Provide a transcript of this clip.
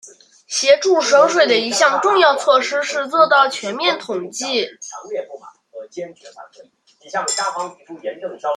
协助省水的一项重要措施是做到全面统计。